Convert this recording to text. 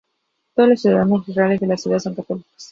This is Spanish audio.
Todos los ciudadanos reales de la ciudad son católicos.